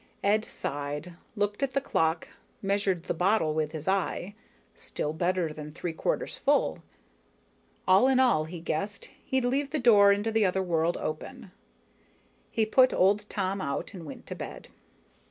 Ed sighed, looked at the clock, measured the bottle with his eye still better than three quarters full. All in all, he guessed, he'd leave the door into the other world open. He put old Tom out and went to bed.